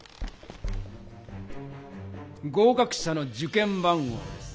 合かく者の受験番号です。